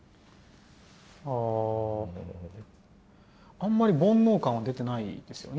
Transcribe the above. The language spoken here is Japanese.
あんまり煩悩感は出てないですよね。